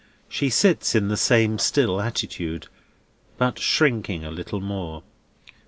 She sits in the same still attitude, but shrinking a little more.